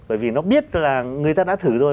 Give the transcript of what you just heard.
bởi vì nó biết là người ta đã thử rồi